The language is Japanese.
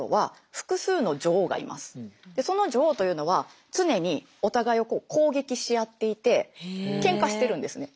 その女王というのは常にお互いを攻撃し合っていてケンカしてるんですね。